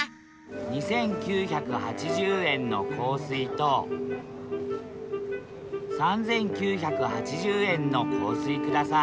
２，９８０円の香水と３，９８０円の香水ください